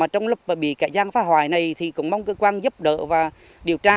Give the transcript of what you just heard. trong lúc bị kẻ gian phá hoại này thì cũng mong cơ quan giúp đỡ và điều tra